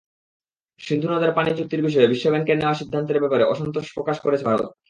সিন্ধু নদের পানি চুক্তির বিষয়ে বিশ্বব্যাংকের নেওয়া সিদ্ধান্তের ব্যাপারে অসন্তোষ প্রকাশ করেছে ভারত।